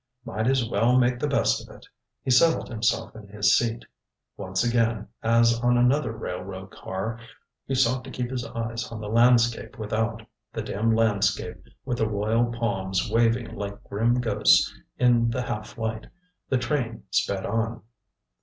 Might as well make the best of it. He settled himself in his seat. Once again, as on another railroad car, he sought to keep his eyes on the landscape without the dim landscape with the royal palms waving like grim ghosts in the half light. The train sped on.